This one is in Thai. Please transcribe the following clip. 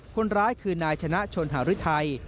คนร้ายคือนายชนะชนหารือไทย